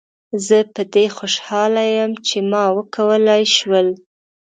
زه په دې خوشحاله یم چې ما وکولای شول.